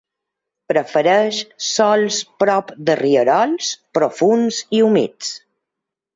Prefereix sòls prop de rierols, profunds i humits.